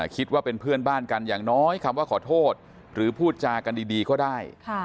คิดว่าเป็นเพื่อนบ้านกันอย่างน้อยคำว่าขอโทษหรือพูดจากันดีก็ได้